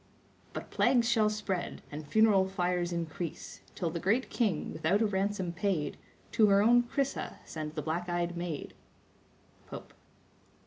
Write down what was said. "But plagues shall spread, and funeral fires increase, Till the great king, without a ransom paid, To her own Chrysa send the black eyed maid." —Pope.